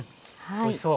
おいしそう。